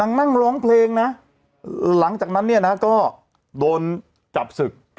นั่งร้องเพลงนะหลังจากนั้นเนี่ยนะก็โดนจับศึก